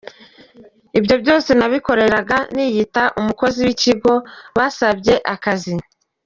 Ibyo byose nabikoraga niyita umukozi w’ikigo basabye akazi."